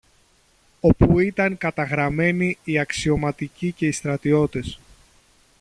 όπου ήταν καταγραμμένοι οι αξιωματικοί και οι στρατιώτες.